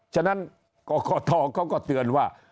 ฉะนั้นกกทเขาก็เตือนว่า